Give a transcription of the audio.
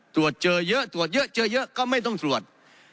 ตรวจเจอเยอะตรวจเยอะเจอเยอะก็ไม่ต้องตรวจ